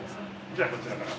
じゃあこちらから。